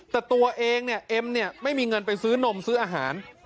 แต่ตัวเองเนี่ยเอ็มเนี่ยไม่มีเงินไปซื้อนมซื้ออาหาร